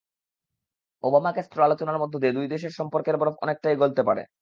Obama-Castro আলোচনার মধ্য দিয়ে দুই দেশের সম্পর্কের বরফ অনেকটাই গলতে পারে।